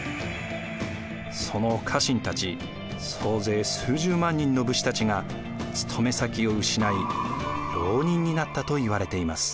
その家臣たち総勢数十万人の武士たちが勤め先を失い牢人になったといわれています。